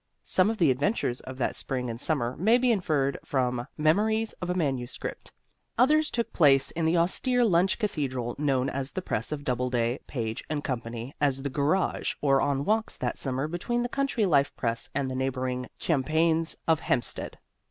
Some of the adventures of that spring and summer may be inferred from "Memories of a Manuscript." Others took place in the austere lunch cathedral known at the press of Doubleday, Page & Company as the "garage," or on walks that summer between the Country Life Press and the neighboring champaigns of Hempstead.